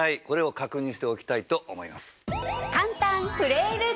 これを確認しておきたいと思います。